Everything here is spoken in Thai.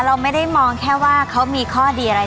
เราไม่ได้มองแค่ว่าเขามีข้อดีอะไร